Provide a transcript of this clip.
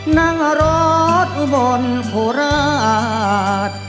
นั่งรอดบนโภราช